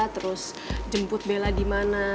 terus jemput bella dimana